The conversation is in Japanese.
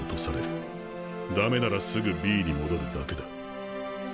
駄目ならすぐＢに戻るだけだ。